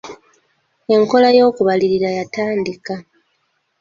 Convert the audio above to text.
Enkola y'okubalirira yatandika.